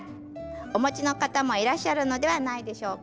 お持ちの方もいらっしゃるのではないでしょうか。